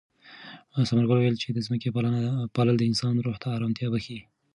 ثمرګل وویل چې د ځمکې پالل د انسان روح ته ارامتیا بښي.